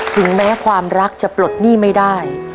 ถึงแม้ความรักจะปลดหนี้ไม่ได้